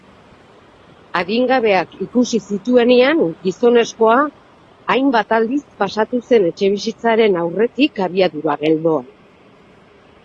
Adingabeak ikusi zituenean, gizonezkoa hainbat aldiz pasatu zen etxebizitzaren aurretik abiadura geldoan.